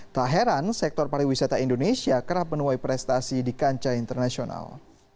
tak heran sektor pariwisata indonesia kerap menuai prestasi di kancah internasional